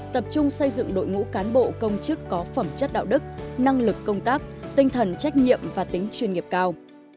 tập trung xây dựng đội ngũ cán bộ công chức có phẩm chất đạo đức năng lực công tác tinh thần trách nhiệm và tính chuyên nghiệp cao